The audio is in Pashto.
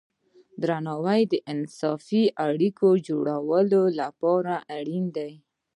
درناوی د انصافی اړیکو جوړولو لپاره اړین دی.